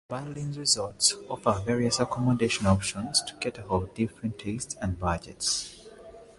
Butlins resorts offer various accommodation options to cater for different tastes and budgets.